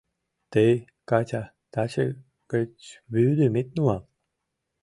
— Тый, Катя, таче гыч вӱдым ит нумал.